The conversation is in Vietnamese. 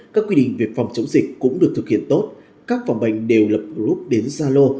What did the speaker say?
các quy định về phòng chống dịch cũng được thực hiện tốt các phòng bệnh đều lập group đến zalo